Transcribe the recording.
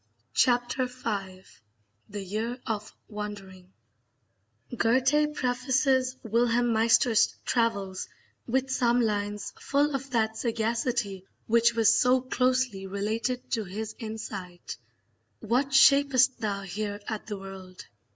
Chapter V The Year of Wandering Goethe prefaces Wilhelm Meister's travels with some lines full of that sagacity which was so closely related to his insight: What shap'st thou here at the world?